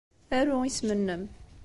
Aru isem-nnem.